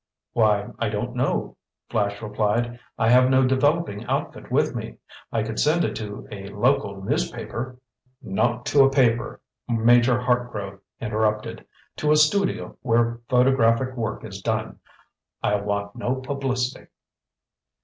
"Why, I don't know," Flash replied. "I have no developing outfit with me. I could send it to a local newspaper—" "Not to a paper," Major Hartgrove interrupted. "To a studio where photographic work is done. I'll want no publicity."